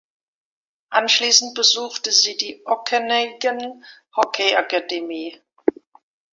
Anschließend besuchte sie die "Okanagan Hockey Academy".